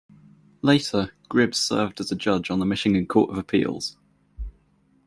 Later, Gribbs served as a judge on the Michigan Court of Appeals.